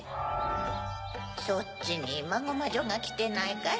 そっちにマゴマジョがきてないかい？